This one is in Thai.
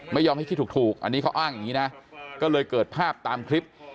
ไม่ยอมให้คิดถูกอันนี้เขาอ้างอย่างนี้นะก็เลยเกิดภาพตามคลิป